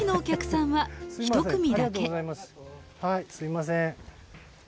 はいすいません。